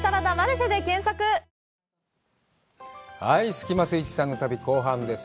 スキマスイッチさんの旅後半です。